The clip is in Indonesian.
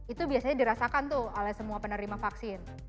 itu biasanya dirasakan tuh oleh semua penerima vaksin